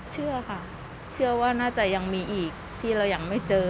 เชื่อค่ะเชื่อว่าน่าจะยังมีอีกที่เรายังไม่เจอ